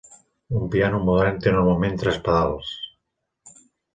Un piano modern té normalment tres pedals.